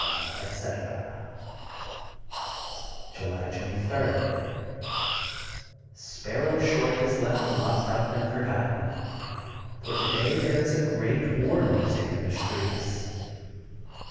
etc. *' July 23: — Sparrow Short is left locked up and forgotten, for to day there is a great war music in the streets.